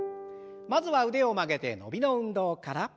まずは腕を曲げて伸びの運動から。